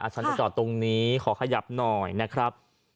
ฉันจะจอดตรงนี้ขอขยับหน่อยนะครับ